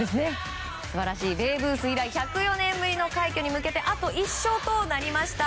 ベーブ・ルース以来１０４年ぶりの快挙に向けてあと１勝となりました。